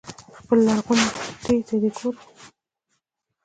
خپلې لرغونې سټې ته دې وګوري.